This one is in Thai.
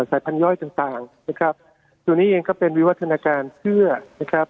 สายพันธย่อยต่างต่างนะครับตัวนี้เองก็เป็นวิวัฒนาการเชื่อนะครับ